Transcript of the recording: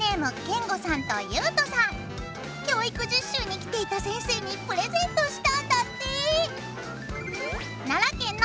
教育実習に来ていた先生にプレゼントしたんだって！